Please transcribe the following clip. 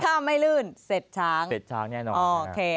ถ้าไม่ลื่นเสร็จช้างเสร็จช้างแน่นอนโอเค